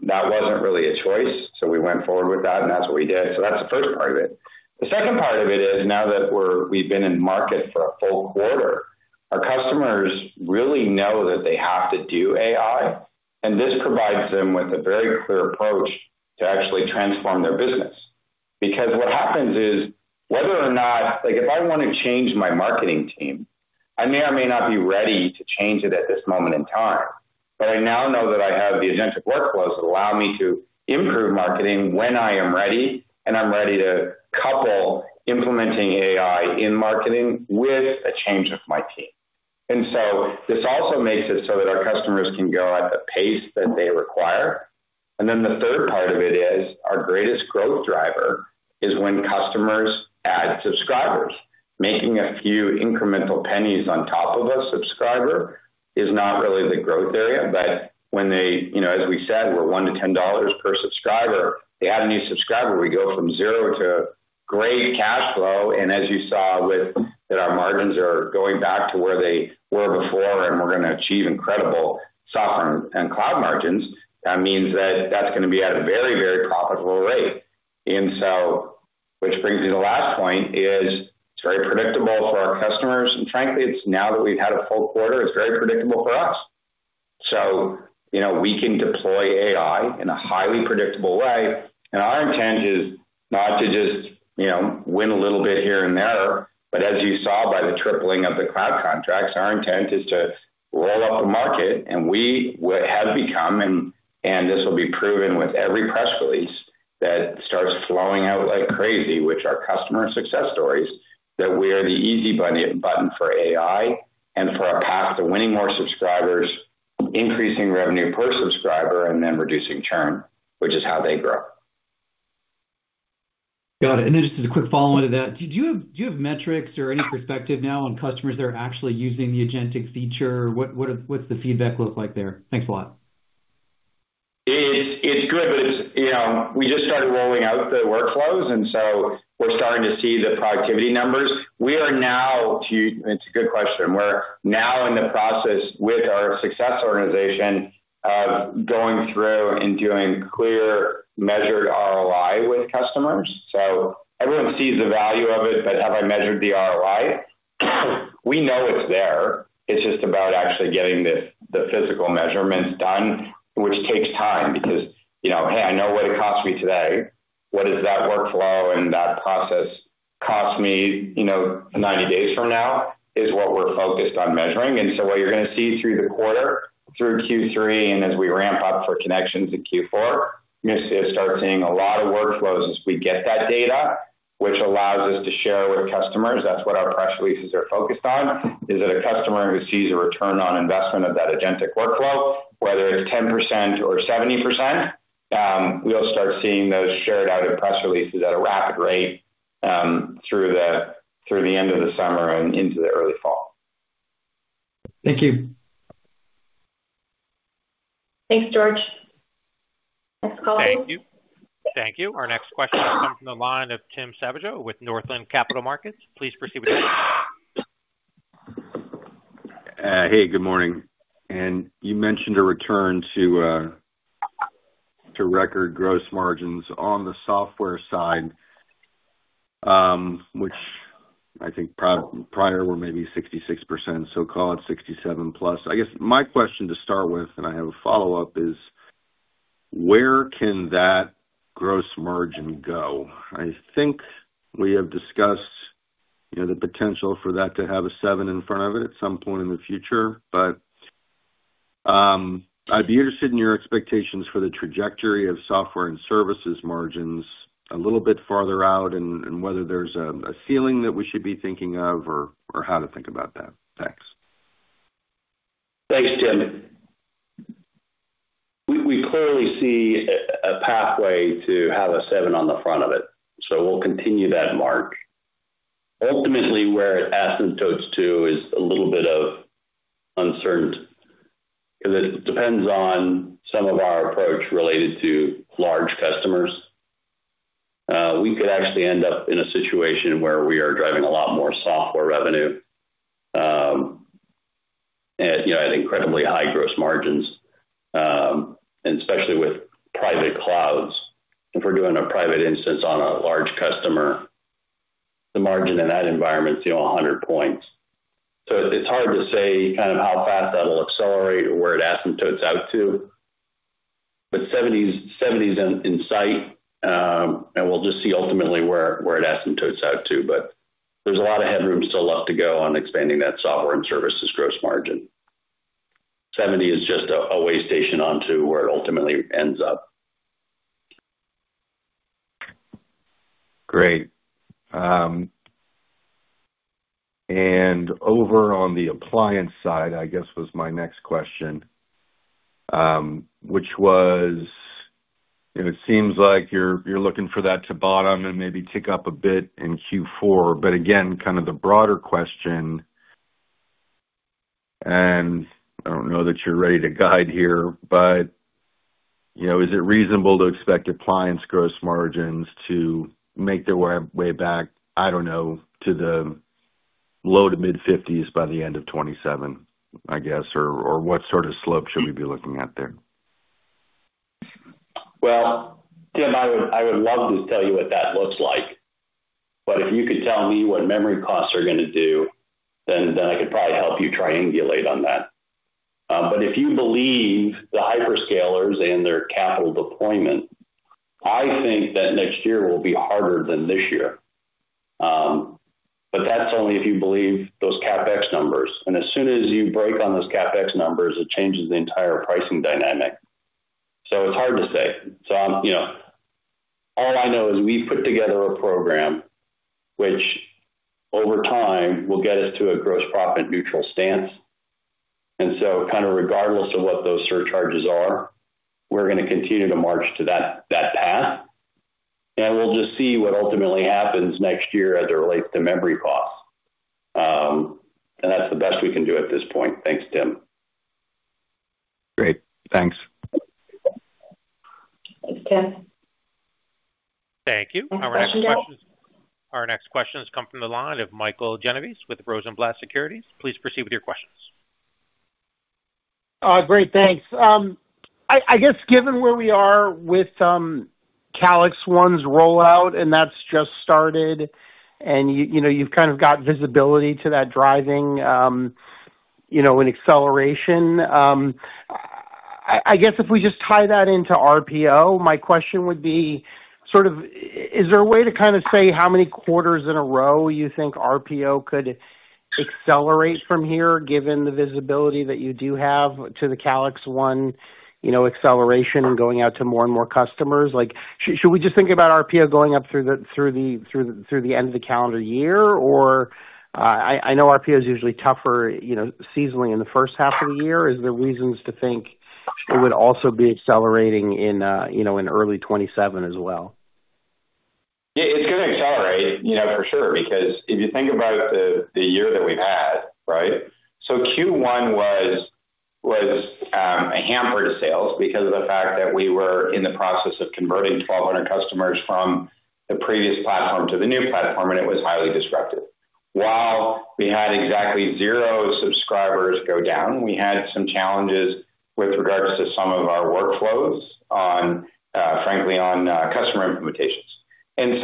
Speaker 3: That wasn't really a choice, so we went forward with that, and that's what we did. That's the first part of it. The second part of it is now that we've been in market for a full quarter, our customers really know that they have to do AI, and this provides them with a very clear approach to actually transform their business. Because what happens is, whether or not, like if I want to change my marketing team, I may or may not be ready to change it at this moment in time. I now know that I have the Agentic workflows that allow me to improve marketing when I am ready, and I'm ready to couple implementing AI in marketing with a change of my team. This also makes it so that our customers can go at the pace that they require. The third part of it is our greatest growth driver is when customers add subscribers. Making a few incremental pennies on top of a subscriber is not really the growth area. As we said, we're $1-$10 per subscriber. They add a new subscriber, we go from zero to great cash flow, as you saw with that our margins are going back to where they were before, and we're going to achieve incredible software and cloud margins. That means that that's going to be at a very, very profitable rate. Which brings me to the last point is it's very predictable for our customers. Frankly, it's now that we've had a full quarter, it's very predictable for us. We can deploy AI in a highly predictable way. Our intent is not to just win a little bit here and there, but as you saw by the tripling of the cloud contracts, our intent is to roll up the market. We have become, and this will be proven with every press release that starts flowing out like crazy, which are customer success stories, that we are the easy button for AI and for our path to winning more subscribers, increasing revenue per subscriber, and reducing churn, which is how they grow.
Speaker 8: Got it. Just as a quick follow-on to that, do you have metrics or any perspective now on customers that are actually using the agentic feature? What's the feedback look like there? Thanks a lot.
Speaker 3: It's good. We just started rolling out the workflows. We're starting to see the productivity numbers. It's a good question. We're now in the process with our success organization of going through and doing clear measured ROI with customers. Everyone sees the value of it, but have I measured the ROI? We know it's there. It's just about actually getting the physical measurements done, which takes time because, hey, I know what it costs me today. What does that workflow and that process cost me 90 days from now, is what we're focused on measuring. What you're going to see through the quarter, through Q3, and as we ramp up for Connections in Q4, you're going to start seeing a lot of workflows as we get that data, which allows us to share with customers. That's what our press releases are focused on, is that a customer who sees a return on investment of that agentic workflow, whether it's 10% or 70%, we'll start seeing those shared out in press releases at a rapid rate through the end of the summer and into the early fall.
Speaker 8: Thank you.
Speaker 2: Thanks, George. Next caller.
Speaker 1: Thank you. Thank you. Our next question comes from the line of Tim Savageaux with Northland Capital Markets. Please proceed with your question.
Speaker 9: Hey, good morning. You mentioned a return to record gross margins on the software side, which I think prior were maybe 66%, so call it 67+. I guess my question to start with, and I have a follow-up, is where can that gross margin go? I think we have discussed the potential for that to have a seven in front of it at some point in the future. I'd be interested in your expectations for the trajectory of software and services margins a little bit farther out and whether there's a ceiling that we should be thinking of or how to think about that. Thanks.
Speaker 4: Thanks, Tim. We clearly see a pathway to have a seven on the front of it, we'll continue that mark. Ultimately, where it asymptotes to is a little bit of uncertainty because it depends on some of our approach related to large customers. We could actually end up in a situation where we are driving a lot more software revenue at incredibly high gross margins, and especially with private clouds. If we're doing a private instance on a large customer, the margin in that environment is 100 points. It's hard to say how fast that'll accelerate or where it asymptotes out to. 70 is in sight, and we'll just see ultimately where it asymptotes out to. There's a lot of headroom still left to go on expanding that software and services gross margin. 70 is just a way station onto where it ultimately ends up.
Speaker 9: Great. Over on the appliance side, I guess was my next question, which was, it seems like you're looking for that to bottom and maybe tick up a bit in Q4. Again, the broader question, and I don't know that you're ready to guide here, is it reasonable to expect appliance gross margins to make their way back, I don't know, to the low to mid-50s by the end of 2027, I guess? What sort of slope should we be looking at there?
Speaker 4: Well, Tim, I would love to tell you what that looks like. If you could tell me what memory costs are going to do, then I could probably help you triangulate on that. If you believe the hyperscalers and their capital deployment, I think that next year will be harder than this year. That's only if you believe those CapEx numbers. As soon as you break on those CapEx numbers, it changes the entire pricing dynamic. It's hard to say. All I know is we've put together a program which over time will get us to a gross profit neutral stance. Regardless of what those surcharges are, we're going to continue to march to that path. We'll just see what ultimately happens next year as it relates to memory costs. That's the best we can do at this point. Thanks, Tim.
Speaker 9: Great. Thanks.
Speaker 2: Thanks, Tim.
Speaker 1: Thank you.
Speaker 2: Next question.
Speaker 1: Our next question has come from the line of Michael Genovese with Rosenblatt Securities. Please proceed with your questions.
Speaker 10: Great, thanks. I guess given where we are with Calix One's rollout, and that's just started, and you've got visibility to that driving an acceleration. I guess if we just tie that into RPO, my question would be, is there a way to say how many quarters in a row you think RPO could accelerate from here, given the visibility that you do have to the Calix One acceleration going out to more and more customers? Should we just think about RPO going up through the end of the calendar year? I know RPO is usually tougher seasonally in the first half of the year. Is there reasons to think it would also be accelerating in early 2027 as well?
Speaker 4: Yeah, it's going to accelerate for sure, because if you think about the year that we've had, right? Q1 was a hamper to sales because of the fact that we were in the process of converting 1,200 customers from the previous platform to the new platform, and it was highly disruptive. While we had exactly zero subscribers go down, we had some challenges with regards to some of our workflows, frankly, on customer implementations. As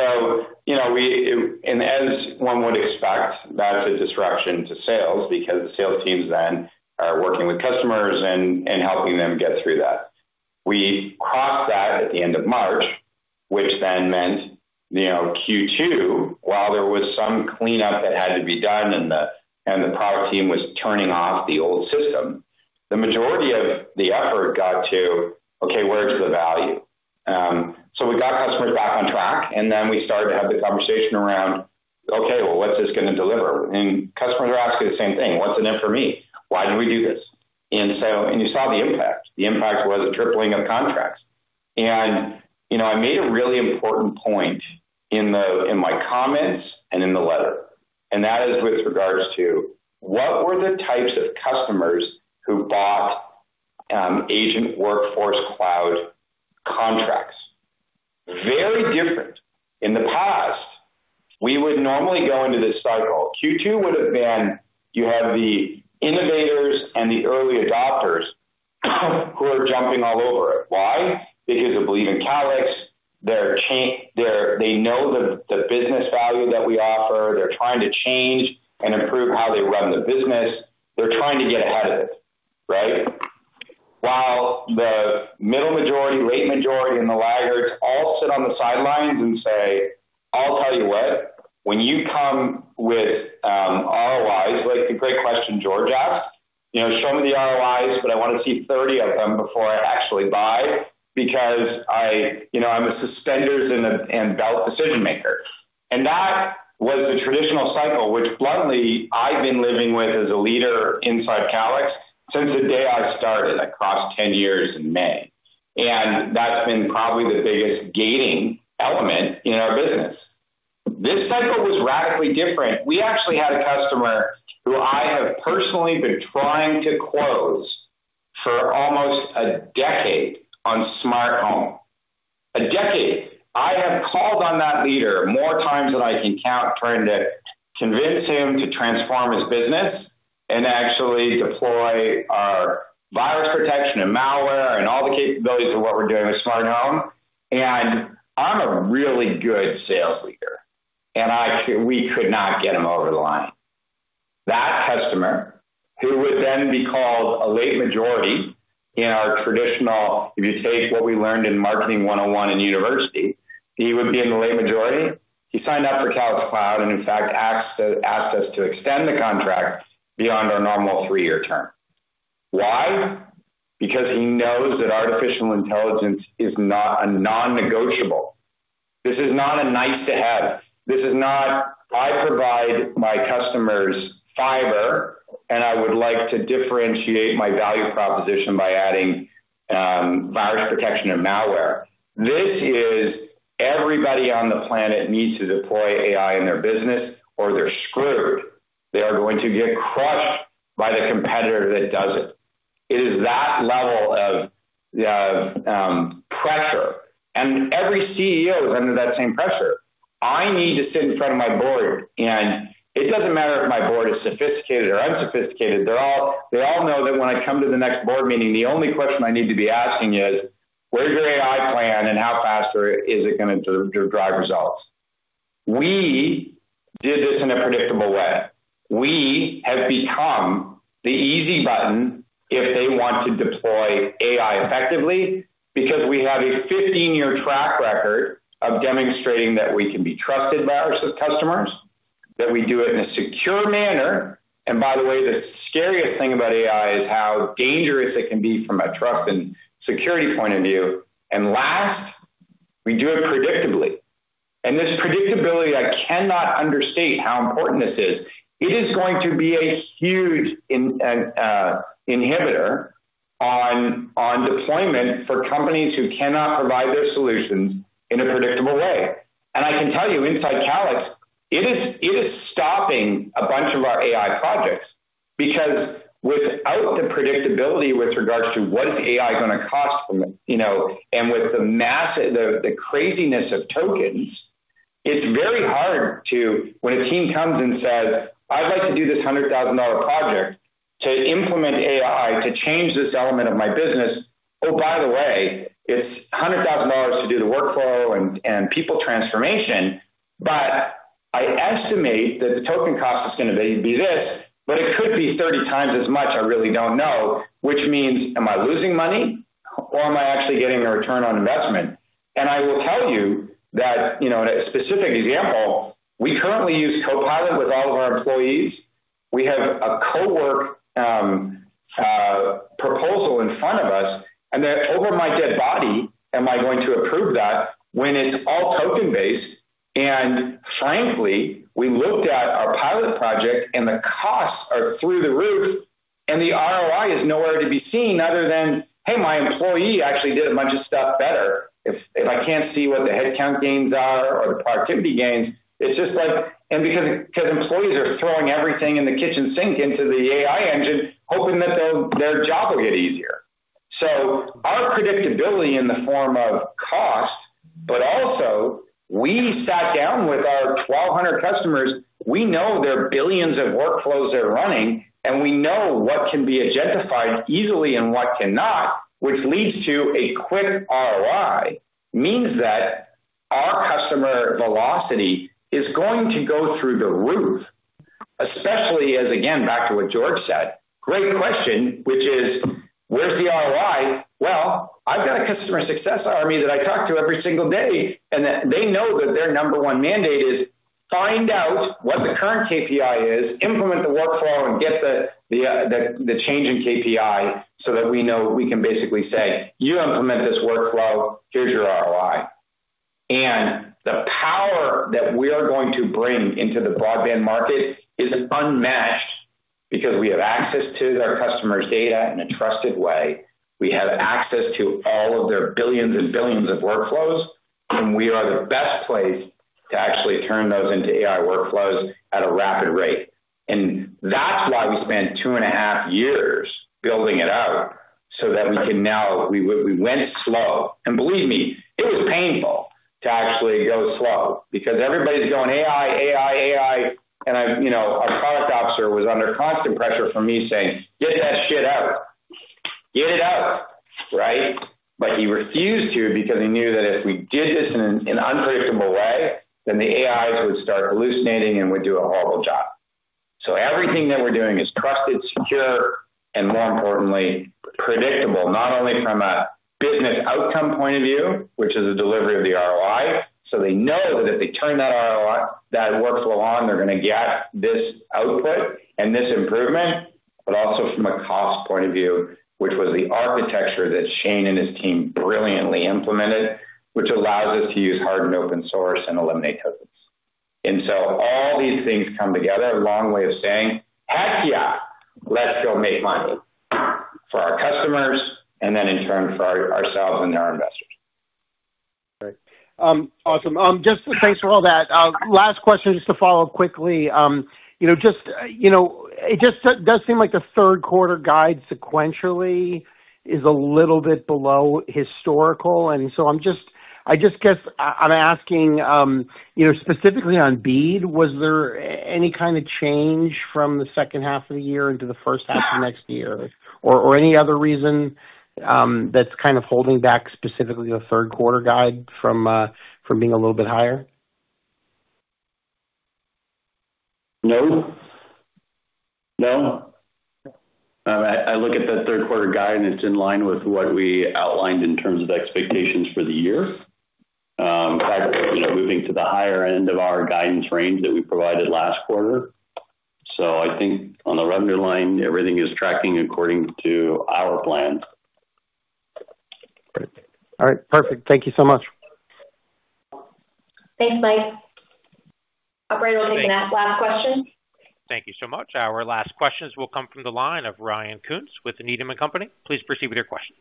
Speaker 4: one would expect, that's a disruption to sales because the sales teams then are working with customers and helping them get through that. We crossed that at the end of March, which then meant Q2, while there was some cleanup that had to be done, and the product team was turning off the old system, the majority of the effort got to, okay, where's the value? We got customers back on track, and then we started to have the conversation around, okay, well, what's this going to deliver? Customers are asking the same thing, "What's in it for me? Why do we do this?" You saw the impact. The impact was a tripling of contracts. I made a really important point in my comments and in the letter, and that is with regards to what were the types of customers who bought Agent Workforce Cloud contracts. Very different. In the past, we would normally go into this cycle. Q2 would have been, you have the innovators and the early adopters who are jumping all over it. Why? Because they believe in Calix. They know the business value that we offer. They're trying to change and improve how they run their business. They're trying to get ahead of this, right? While the middle majority, late majority, and the laggards all sit on the sidelines and say, "I'll tell you what, when you come with ROIs," like the great question George asked, "Show me the ROIs, but I want to see 30 of them before I actually buy, because I'm a suspenders and belt decision-maker." That was the traditional cycle, which bluntly, I've been living with as a leader inside Calix since the day I started, across 10 years in May. That's been probably the biggest gating element in our business. This cycle was radically different. We actually had a customer who I have personally been trying to close for almost a decade on SmartHome. A decade. I have called on that leader more times than I can count, trying to convince him to transform his business and actually deploy our virus protection and malware and all the capabilities of what we're doing with SmartHome. I'm a really good sales leader, and we could not get him over the line. That customer, who would then be called a late majority in our traditional, if you take what we learned in Marketing 101 in university, he would be in the late majority. He signed up for Calix Cloud and, in fact, asked us to extend the contract beyond our normal three-year term. Why? Because he knows that artificial intelligence is a non-negotiable. This is not a nice-to-have. This is not, I provide my customers fiber, and I would like to differentiate my value proposition by adding virus protection or malware. This is everybody on the planet needs to deploy AI in their business, or they're screwed. They are going to get crushed by the competitor that does it. It is that level of pressure, and every CEO is under that same pressure. I need to sit in front of my board, and it doesn't matter if my board is sophisticated or unsophisticated, they all know that when I come to the next board meeting, the only question I need to be asking is: Where's your AI plan, and how faster is it going to drive results? We did this in a predictable way. We have become the easy button if they want to deploy AI effectively because we have a 15-year track record of demonstrating that we can be trusted by our customers, that we do it in a secure manner. By the way, the scariest thing about AI is how dangerous it can be from a trust and security point of view. Last, we do it predictably. This predictability, I cannot understate how important this is. It is going to be a huge inhibitor on deployment for companies who cannot provide their solutions in a predictable way. I can tell you inside Calix, it is stopping a bunch of our AI projects because without the predictability with regards to what is AI going to cost, and with the craziness of tokens, it's very hard to, when a team comes and says, "I'd like to do this $100,000 project to implement AI to change this element of my business. Oh, by the way, it's $100,000 to do the workflow and people transformation, but I estimate that the token cost is going to be this, but it could be 30x as much. I really don't know." Which means, am I losing money, or am I actually getting a return on investment? That in a specific example, we currently use Copilot with all of our employees. We have a co-work proposal in front of us, then over my dead body am I going to approve that when it's all token-based. Frankly, we looked at our pilot project and the costs are through the roof, and the ROI is nowhere to be seen other than, "Hey, my employee actually did a bunch of stuff better." If I can't see what the headcount gains are or the productivity gains, it's just like Because employees are throwing everything and the kitchen sink into the AI engine hoping that their job will get easier. Our predictability in the form of cost, but also we sat down with our 1,200 customers. We know there are billions of workflows they're running, and we know what can be agentified easily and what cannot, which leads to a quick ROI, means that our customer velocity is going to go through the roof. Especially as, again, back to what George said, great question, which is, where's the ROI? Well, I've got a customer success army that I talk to every single day, and they know that their number one mandate is find out what the current KPI is, implement the workflow, and get the change in KPI so that we know we can basically say, "You implement this workflow, here's your ROI." The power that we are going to bring into the broadband market is unmatched because we have access to their customer's data in a trusted way. We have access to all of their billions and billions of workflows, and we are the best placed to actually turn those into AI workflows at a rapid rate. That's why we spent two and a half years building it out so that we can now. We went slow. Believe me, it was painful to actually go slow because everybody's going AI, AI, and our product officer was under constant pressure from me saying, "Get that shit out. Get it out." Right. He refused to because he knew that if we did this in an unpredictable way, then the AIs would start hallucinating and would do a horrible job. Everything that we're doing is trusted, secure, and more importantly, predictable, not only from a business outcome point of view, which is the delivery of the ROI. They know that if they turn that workflow on, they're going to get this output and this improvement. Also from a cost point of view, which was the architecture that Shane and his team brilliantly implemented, which allows us to use hard and open source and eliminate tokens. All these things come together. A long way of saying, "Heck yeah, let's go make money for our customers and then in turn for ourselves and our investors.
Speaker 10: Great. Awesome. Thanks for all that. Last question, just to follow up quickly. It just does seem like the Q3 guide sequentially is a little bit below historical, and so I just guess I'm asking, specifically on BEAD, was there any kind of change from the second half of the year into the first half of next year? Or any other reason that's kind of holding back specifically the Q3 guide from being a little bit higher?
Speaker 4: No. I look at the Q3 guide and it's in line with what we outlined in terms of expectations for the year. Probably moving to the higher end of our guidance range that we provided last quarter. I think on the underlying, everything is tracking according to our plan.
Speaker 10: Great. All right. Perfect. Thank you so much.
Speaker 2: Thanks, Michael. Operator, we'll take that last question.
Speaker 1: Thank you so much. Our last questions will come from the line of Ryan Koontz with Needham & Company. Please proceed with your questions.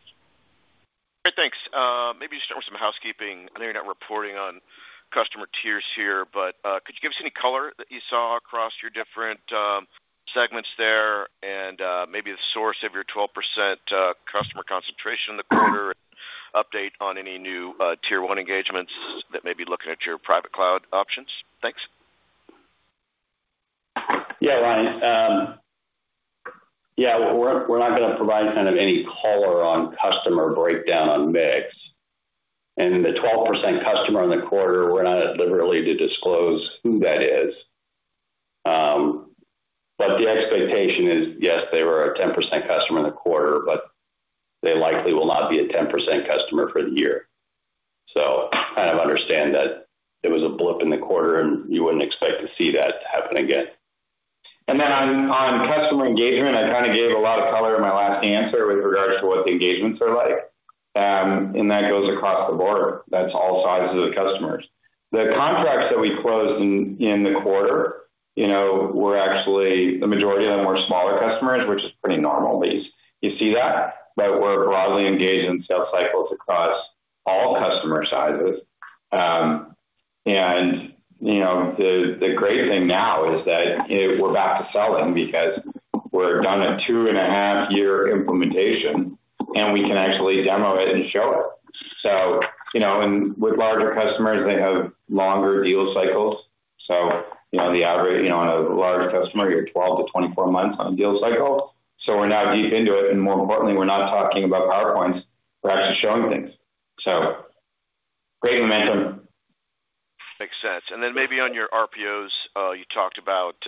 Speaker 11: Hey, thanks. Maybe just start with some housekeeping. I know you're not reporting on customer tiers here, but could you give us any color that you saw across your different segments there and maybe the source of your 12% customer concentration in the quarter, and update on any new Tier 1 engagements that may be looking at your private cloud options? Thanks.
Speaker 4: Yeah, Ryan. We're not going to provide kind of any color on customer breakdown on mix. The 12% customer in the quarter, we're not at liberty to disclose who that is. The expectation is, yes, they were a 10% customer in the quarter, but they likely will not be a 10% customer for the year. Kind of understand that it was a blip in the quarter, and you wouldn't expect to see that happen again. Then on customer engagement, I kind of gave a lot of color in my last answer with regards to what the engagements are like. That goes across the board. That's all sizes of the customers. The contracts that we closed in the quarter were actually, the majority of them were smaller customers, which is pretty normal. You see that, but we're broadly engaged in sales cycles across all customer sizes. The great thing now is that we're back to selling because we're done a two-and-a-half-year implementation and we can actually demo it and show it. With larger customers, they have longer deal cycles. The average on a larger customer, you have 12 to 24 months on a deal cycle. We're now deep into it, and more importantly, we're not talking about PowerPoints. We're actually showing things. Great momentum.
Speaker 11: Makes sense. Maybe on your RPOs, you talked about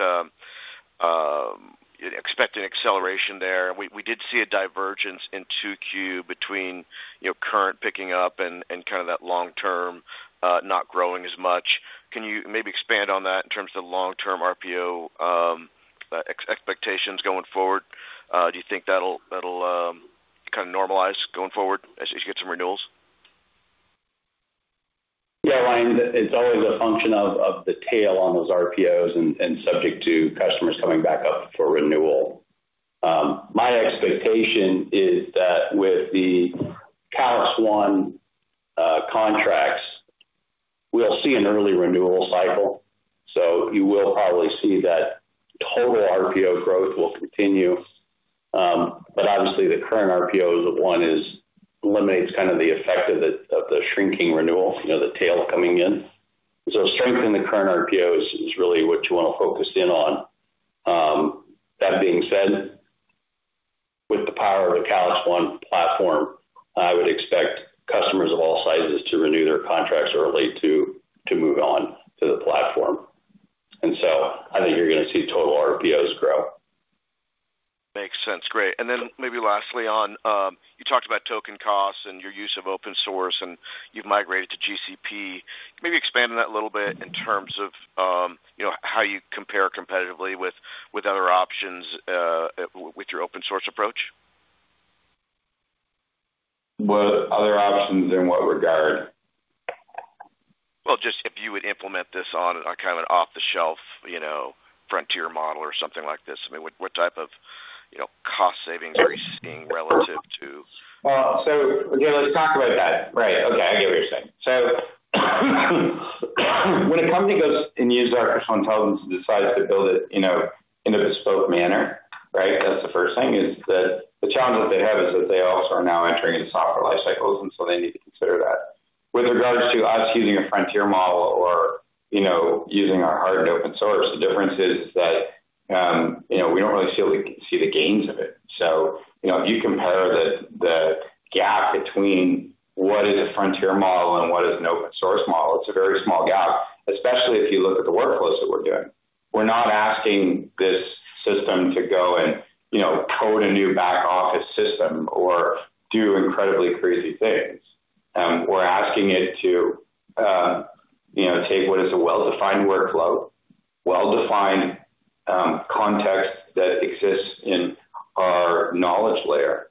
Speaker 11: expecting acceleration there. We did see a divergence in 2Q between current picking up and that long-term not growing as much. Can you maybe expand on that in terms of long-term RPO expectations going forward? Do you think that'll normalize going forward as you get some renewals?
Speaker 4: Yeah, Ryan, it's always a function of the tail on those RPOs and subject to customers coming back up for renewal. My expectation is that with the Calix One contracts, we'll see an early renewal cycle. You will probably see that total RPO growth will continue. The current RPO is that one eliminates the effect of the shrinking renewal, the tail coming in. Strengthening the current RPO is really what you want to focus in on. That being said, with the power of the Calix One platform, I would expect customers of all sizes to renew their contracts early to move on to the platform. I think you're going to see total RPOs grow.
Speaker 11: Makes sense. Great. Maybe lastly on, you talked about token costs and your use of open source, and you've migrated to GCP. Maybe expand on that a little bit in terms of how you compare competitively with other options with your open-source approach.
Speaker 3: What other options in what regard?
Speaker 11: Well, just if you would implement this on an off-the-shelf frontier model or something like this, what type of cost savings are you seeing relative to-
Speaker 3: Darryl, let's talk about that. Right. Okay, I get what you're saying. When a company goes and uses our platform to decide to build it in a bespoke manner, right? That's the first thing is that the challenge that they have is that they also are now entering into software life cycles, they need to consider that. With regards to us using a frontier model or using our hardened open source, the difference is that we don't really see the gains of it. If you compare the gap between what is a frontier model and what is an open-source model, it's a very small gap, especially if you look at the workflows that we're doing. We're not asking this system to go and code a new back-office system or do incredibly crazy things. We're asking it to take what is a well-defined workflow, well-defined context that exists in our knowledge layer,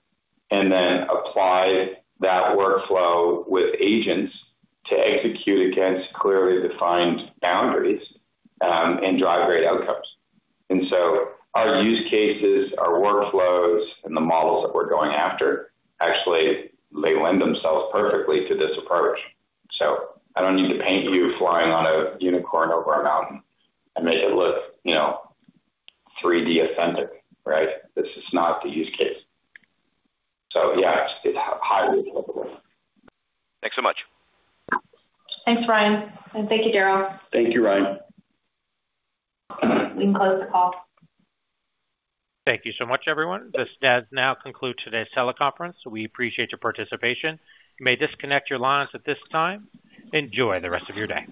Speaker 3: apply that workflow with agents to execute against clearly defined boundaries, and drive great outcomes. Our use cases, our workflows, and the models that we're going after, actually, they lend themselves perfectly to this approach. I don't need to paint you flying on a unicorn over a mountain and make it look 3D authentic, right? This is not the use case. Yeah, it's highly applicable.
Speaker 11: Thanks so much.
Speaker 2: Thanks, Ryan. Thank you, Darryl.
Speaker 3: Thank you, Ryan.
Speaker 2: We can close the call.
Speaker 1: Thank you so much, everyone. This does now conclude today's teleconference. We appreciate your participation. You may disconnect your lines at this time. Enjoy the rest of your day.